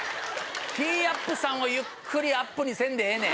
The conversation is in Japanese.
ティーアップさんをゆっくりアップにせんでええねん！